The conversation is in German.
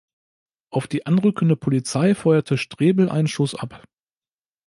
Auf die anrückende Polizei feuerte Strebel einen Schuss ab.